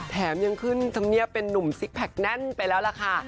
แถมยังขึ้นธรรมเนียบเป็นนุ่มซิกแพคแน่นไปแล้วล่ะค่ะ